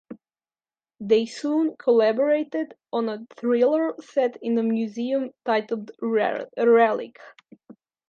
They soon collaborated on a thriller set in the museum titled "Relic".